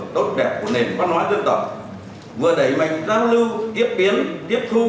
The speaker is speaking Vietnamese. tốt đẹp của nền văn hóa dân tộc vừa đẩy mạch giao lưu tiếp biến tiếp thu